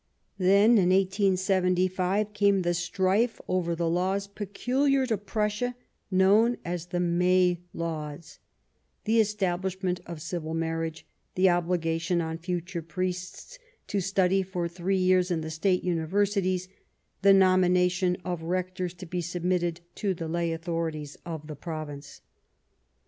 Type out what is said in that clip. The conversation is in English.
Then, in 1875, came the strife over the laws peculiar to Prussia known as the May Laws : the establishment of civil marriage ; the obligation on future priests to study for three years in the State Universities ; the nomination of Rectors to be submitted to the lay authorities of the Province.